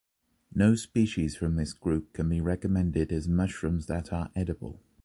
No species from this group can be recommended as mushrooms that are edible.